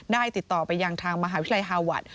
ติดต่อไปยังทางมหาวิทยาลัยฮาวัต